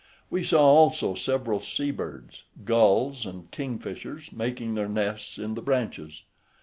We saw also several sea birds, gulls, and kingfishers, making their nests in the branches.